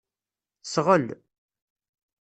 Sɣel.